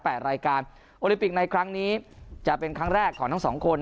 รายการโอลิมปิกในครั้งนี้จะเป็นครั้งแรกของทั้งสองคน